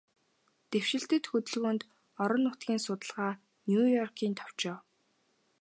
Дэвшилтэт хөдөлгөөнд, орон нутгийн судалгааны Нью-Йоркийн товчоо